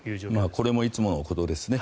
これもいつものことですね。